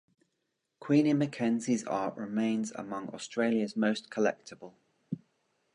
Queenie McKenzie's art remains among Australia's most collectible.